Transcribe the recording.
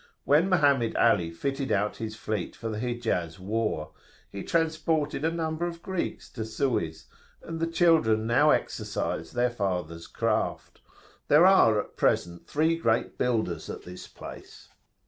When Mohammed Ali fitted out his fleet for the Hijaz war, he transported a number of Greeks to Suez, and the children now exercise their fathers' craft. There are at present three great builders at this place.